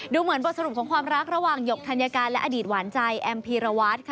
เหมือนบทสรุปของความรักระหว่างหยกธัญการและอดีตหวานใจแอมพีรวัตรค่ะ